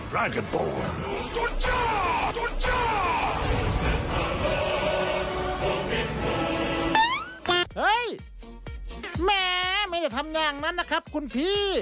แหมไม่ได้ทำอย่างนั้นนะครับคุณพี่